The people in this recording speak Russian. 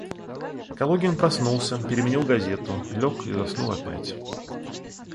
Калугин проснулся, переменил газету, лег и заснул опять.